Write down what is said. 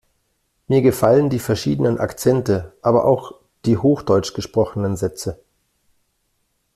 Mir gefallen die verschiedenen Akzente, aber auch die hochdeutsch gesprochenen Sätze.